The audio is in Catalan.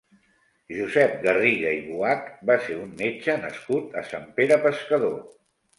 Josep Garriga i Buach va ser un metge nascut a Sant Pere Pescador.